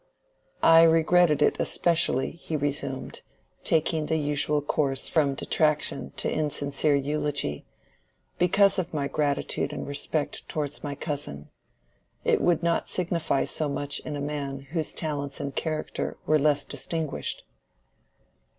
"I regretted it especially," he resumed, taking the usual course from detraction to insincere eulogy, "because of my gratitude and respect towards my cousin. It would not signify so much in a man whose talents and character were less distinguished."